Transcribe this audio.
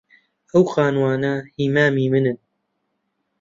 ئەو خانووانە هیی مامی منن.